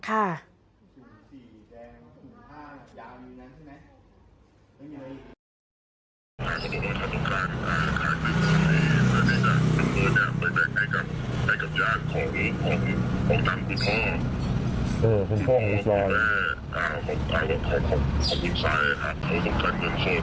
อ้าวขอบคุณทรายอะครับเขาต้องการเงินสด